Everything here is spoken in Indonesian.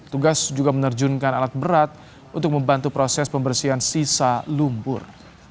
tugas juga menerjunkan alat berat untuk membantu proses pembersihan sisa lumpur